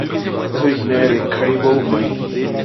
Es originaria de Caribou, Maine.